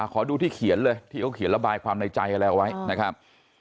ขอดูที่เขียนเลยที่เขาเขียนระบายความในใจอะไรเอาไว้นะครับ